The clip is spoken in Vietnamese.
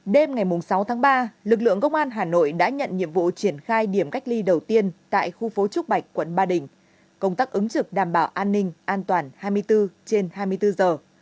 đêm ngày sáu tháng ba lực lượng công an hà nội đã nhận nhiệm vụ triển khai điểm cách ly đầu tiên tại khu phố trúc bạch quận ba đình công tác ứng trực đảm bảo an ninh an toàn hai mươi bốn trên hai mươi bốn giờ